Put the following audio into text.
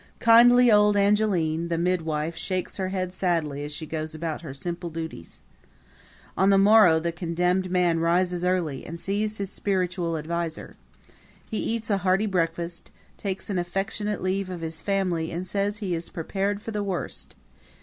Kindly old Angeline, the midwife, shakes her head sadly as she goes about her simple duties. On the morrow the condemned man rises early and sees his spiritual adviser. He eats a hearty breakfast, takes an affectionate leave of his family and says he is prepared for the worst.